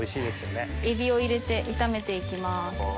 エビを入れて炒めていきます。